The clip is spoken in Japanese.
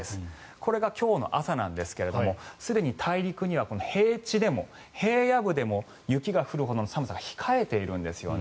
これが今日の朝なんですがすでに大陸には平地でも平野部でも雪が降るほどの寒さが控えているんですよね。